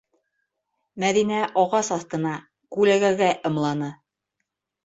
- Мәҙинә ағас аҫтына, күләгәгә ымланы.